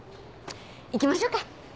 行きましょうか。